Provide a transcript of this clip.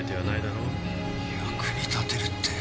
役に立てるって。